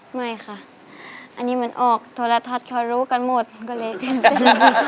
ไม่ค่ะอันนี้มันออกทุรทัศน์เคารู้กันหมดก็เลยตื่นเต้น